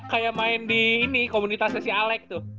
kayak main di ini komunitasnya si alec tuh